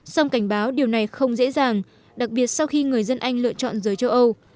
song cảnh báo điều này không dễ dàng đặc biệt sau khi người dân anh lựa chọn giới châu âu